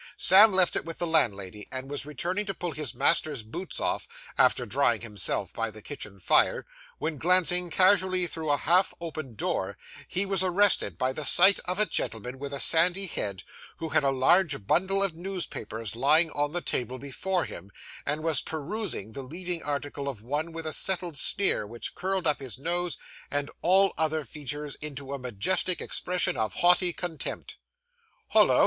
Sam left it with the landlady, and was returning to pull his master's boots off, after drying himself by the kitchen fire, when glancing casually through a half opened door, he was arrested by the sight of a gentleman with a sandy head who had a large bundle of newspapers lying on the table before him, and was perusing the leading article of one with a settled sneer which curled up his nose and all other features into a majestic expression of haughty contempt. 'Hollo!